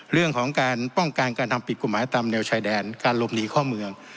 เรื่องของการป้องกันการทำผิดกฎหมายตามแนวชายแดนการหลบหนีเข้าเมือง